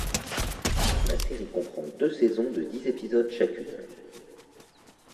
La série comprend deux saisons de dix épisodes chacune.